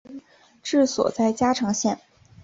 治所在嘉诚县。